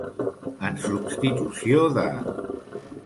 En substitució de.